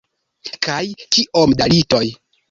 Kaj kiom da litoj.